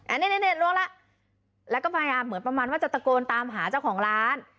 อันนี้ล้วงแล้วแล้วก็พยายามเหมือนประมาณว่าจะตะโกนตามหาเจ้าของร้าน